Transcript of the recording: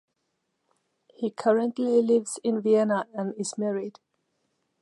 He currently lives in Vienna and is married.